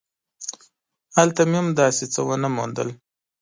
هلته مې هم داسې څه ونه موندل.